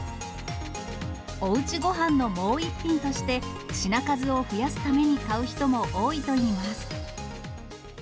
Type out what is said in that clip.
おうちごはんのもう一品として、品数を増やすために買う人も多いといいます。